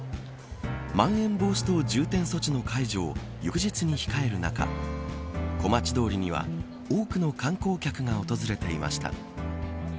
まん延防止等重点措置の解除を翌日に控える中小町通りには多くの観光客が訪れていました。